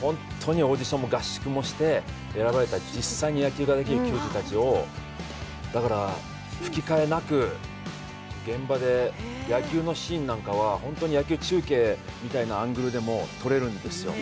本当にオーディションも合宿もして選ばれた実際に野球ができる球児たちをだから吹き替えなく、現場で野球のシーンなんかは本当に野球中継みたいなアングルで撮れるんですよ。